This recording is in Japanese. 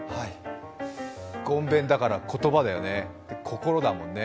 ごんべんだから言葉だよね心だもんね。